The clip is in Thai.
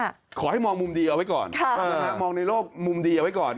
ขอให้มองมุมดีเอาไว้ก่อนมองในโลกมุมดีเอาไว้ก่อน